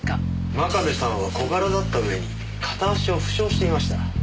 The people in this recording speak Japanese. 真壁さんは小柄だったうえに片足を負傷していました。